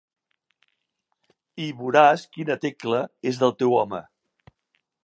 I voràs quina tecla és del teu home.